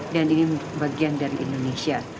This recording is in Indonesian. dan ini bagian dari indonesia